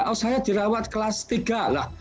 oh saya dirawat kelas tiga lah